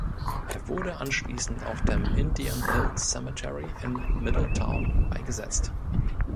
Er wurde anschließend auf dem "Indian Hill Cemetery" in Middletown beigesetzt.